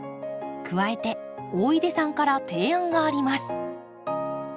加えて大出さんから提案があります。